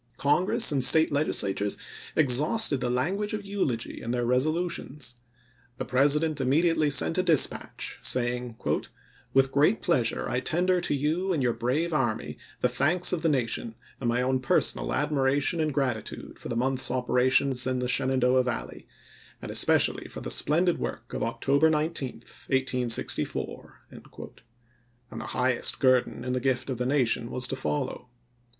Congress and State Legislatures exhausted the language of eulogy in their resolutions. The President immediately sent a dispatch, saying, "With great pleasure I tender to you and your brave army the thanks of the nation, and my own personal admiration and grati tude, for the month's operations in the Shenandoah CEDAR CREEK 327 Valley; and especially for the splendid work of chap.xiv. October 19, 1864 v ; and the highest guerdon in Oct. 22, the gift of the nation was to follow.